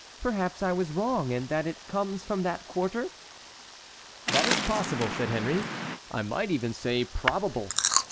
"Perhaps I was wrong, and that it comes from that quarter." "That is possible," said Henry; "I might even say probable.